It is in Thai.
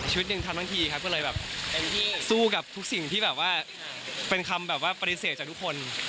ชีวิตหนึ่งทำทั้งทีครับก็เลยแบบสู้กับทุกสิ่งที่แบบว่าเป็นคำแบบว่าปฏิเสธจากทุกคน